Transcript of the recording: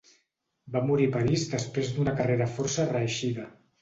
Va morir a París després d'una carrera força reeixida.